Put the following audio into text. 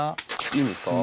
いいんですか。